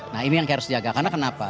nah ini yang harus dijaga karena kenapa